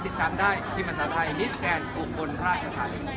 ติดตามได้ที่ภาษาไทยมิสแกนอุบลราชธานี